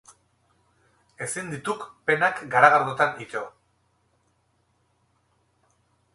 Ezin dituk penak garagardotan ito.